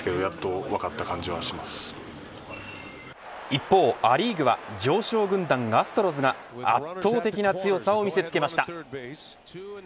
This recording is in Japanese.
一方、ア・リーグは常勝軍団アストロズが圧倒的な強さを見せつけました。